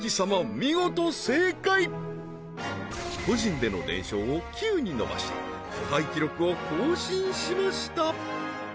見事正解個人での連勝を９に伸ばし不敗記録を更新しました